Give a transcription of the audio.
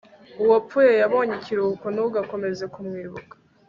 uwapfuye yabonye ikiruhuko, ntugakomeze kumwibuka